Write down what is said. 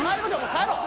帰ろう。